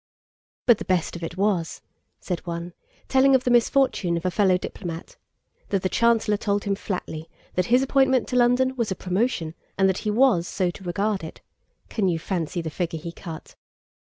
* Ours. "But the best of it was," said one, telling of the misfortune of a fellow diplomat, "that the Chancellor told him flatly that his appointment to London was a promotion and that he was so to regard it. Can you fancy the figure he cut?..."